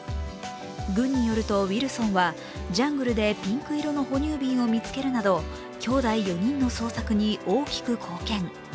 軍によると、ウィルソンはジャングルでピンク色の哺乳瓶を見つけるなどきょうだい４人の捜索に大きく貢献。